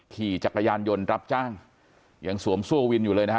ขี่จักรยานยนต์รับจ้างยังสวมเสื้อวินอยู่เลยนะฮะ